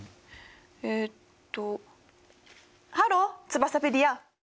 えっとハローツバサペディア。